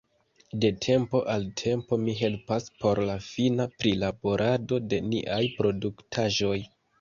De tempo al tempo mi helpas por la fina prilaborado de niaj produktaĵoj.